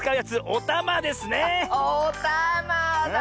おたまだ！